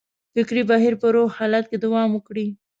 فکري بهیر په روغ حالت کې دوام وکړي.